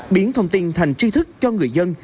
biến thông tin thành tri thức cho người dân